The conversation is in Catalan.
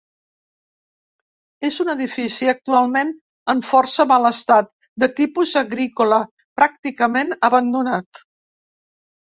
És un edifici actualment en força mal estat, de tipus agrícola, pràcticament abandonat.